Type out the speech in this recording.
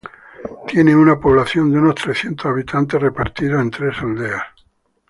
Tiene una población de unos trescientos habitantes repartidos en tres aldeas.